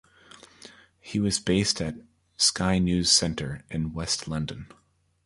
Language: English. He was based at "Sky News Centre" in West London.